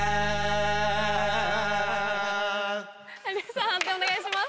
判定お願いします。